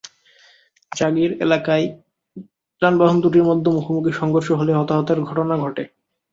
জাগীর এলাকায় যানবাহন দুটির মধ্যে মুখোমুখি সংঘর্ষ হলে হতাহতের ঘটনা ঘটে।